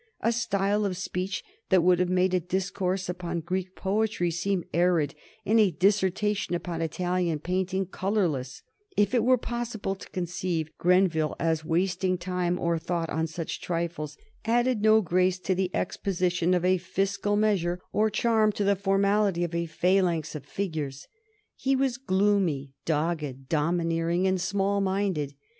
A style of speech that would have made a discourse upon Greek poetry seem arid and a dissertation upon Italian painting colorless if it were possible to conceive Grenville as wasting time or thought on such trifles added no grace to the exposition of a fiscal measure or charm to the formality of a phalanx of figures. He was gloomy, dogged, domineering, and small minded.